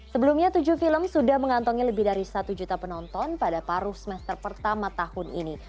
sebelumnya tujuh film sudah mengantongi lebih dari satu juta penonton pada paruh semester pertama tahun ini